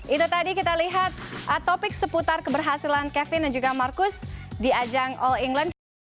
itu tadi kita lihat topik seputar keberhasilan kevin dan juga marcus di ajang all england